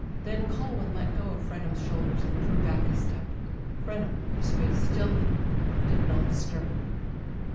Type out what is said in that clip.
Then Cul win let go on Frenham's shoulders, and drew back a step • • • Frenham, his face still hidden, did not stir.